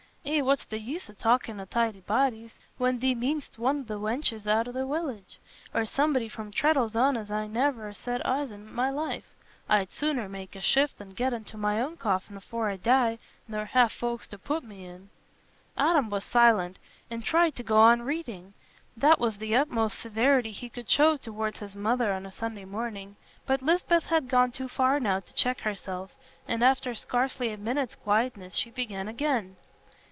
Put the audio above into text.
"Eh, what's the use o' talking o' tidy bodies, when thee mean'st one o' th' wenches out o' th' village, or somebody from Treddles'on as I ne'er set eyes on i' my life? I'd sooner make a shift an' get into my own coffin afore I die, nor ha' them folks to put me in." Adam was silent, and tried to go on reading. That was the utmost severity he could show towards his mother on a Sunday morning. But Lisbeth had gone too far now to check herself, and after scarcely a minute's quietness she began again.